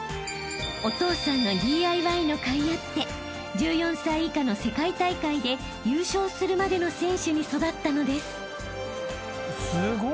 ［お父さんのＤＩＹのかいあって１４歳以下の世界大会で優勝するまでの選手に育ったのです］